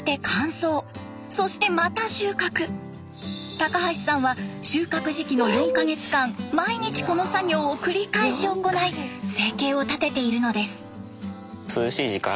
高橋さんは収穫時期の４か月間毎日この作業を繰り返し行い生計を立てているのです。